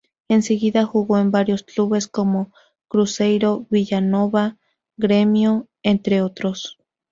Enseguida jugó en varios clubes como: Cruzeiro, Villa Nova, Gremio, entre otros.